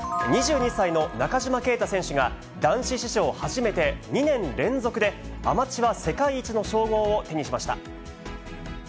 ２２歳の中島啓太選手が、男子史上初めて２年連続でアマチュア世界一の称号を手にしました。